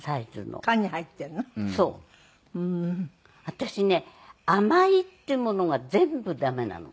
私ね甘いっていうものが全部駄目なの。